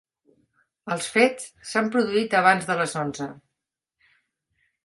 Els fets s'han produït abans de les onze.